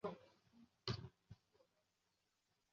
多桑是生于君士坦丁堡的亚美尼亚人。